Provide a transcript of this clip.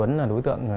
tuấn là đối tượng